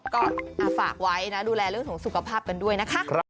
ก็ฝากไว้นะดูแลเรื่องของสุขภาพกันด้วยนะคะ